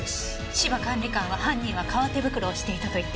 芝管理官は犯人は革手袋をしていたと言っていました。